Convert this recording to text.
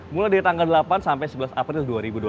mulai dari tanggal delapan sampai sebelas april dua ribu dua puluh